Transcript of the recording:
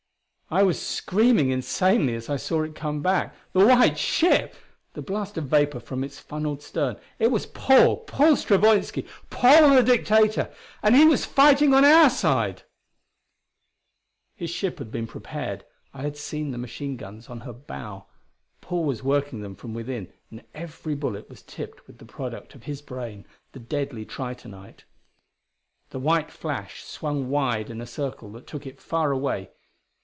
I was screaming insanely as I saw it come back. The white ship! the blast of vapor from its funneled stern It was Paul! Paul Stravoinski! Paul the Dictator! and he was fighting on our side! His ship had been prepared; I had seen the machine guns on her bow. Paul was working them from within, and every bullet was tipped with the product of his brain the deadly tritonite! The white flash swung wide in a circle that took it far away.